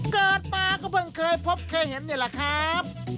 เกิดมาก็เพิ่งเคยพบเคยเห็นนี่แหละครับ